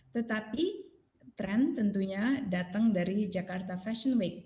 tetapi tren tentunya datang dari jakarta fashion week